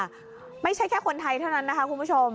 ไม่ใช่แค่คนไทยเท่านั้นนะคะคุณผู้ชม